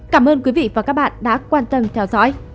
cảm ơn quý vị và các bạn đã quan tâm theo dõi